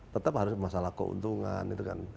tetap harus masalah keuntungan